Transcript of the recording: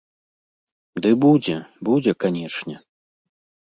Ды будзе, будзе, канешне.